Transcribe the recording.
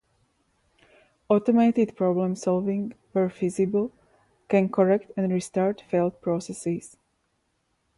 Automated problem solving, where feasible, can correct and restart failed processes.